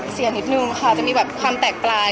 นิดนึงค่ะจะมีแบบความแตกปลาย